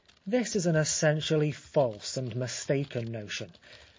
This is an essentially false and mistaken notion.